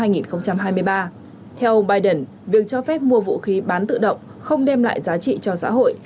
theo ông biden việc cho phép mua vũ khí bán tự động không đem lại giá trị cho xã hội